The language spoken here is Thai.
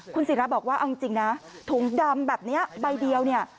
คุณศิราบอกว่าเอาจริงนะถุงดำแบบนี้ใบเดียวเนี่ย